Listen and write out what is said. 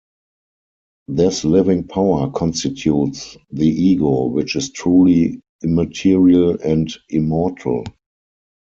This living power constitutes the ego, which is truly immaterial and immortal.